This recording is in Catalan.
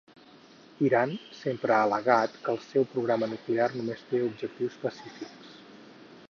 Iran sempre ha al·legat que el seu programa nuclear només té objectius pacífics.